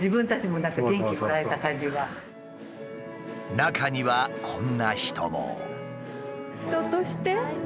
中にはこんな人も。